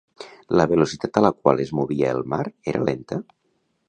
La velocitat a la qual es movia el mar era lenta?